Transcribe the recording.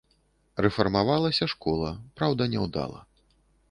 Рэфармавалася школа, праўда няўдала.